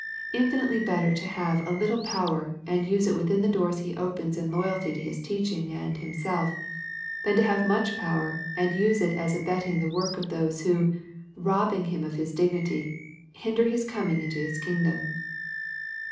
Infinitely better to have a little power, and use it within the doors He opens in loyalty to His teaching and Himself, than to have much power and use it as abetting the work of those who, robbing Him of His dig nity, hinder His coming into His Kingdom.